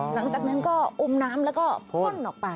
หรอกจากนั้นก็อุ่มน้ำก็พ่นนออกไป